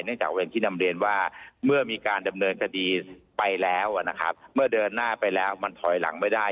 จากอย่างที่นำเรียนว่าเมื่อมีการดำเนินคดีไปแล้วนะครับเมื่อเดินหน้าไปแล้วมันถอยหลังไม่ได้